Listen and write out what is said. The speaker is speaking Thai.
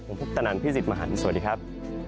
ผมพุทธนันพี่สิทธิ์มหันฯสวัสดีครับ